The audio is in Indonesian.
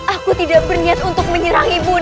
aku tidak berniat untuk menyerang ibu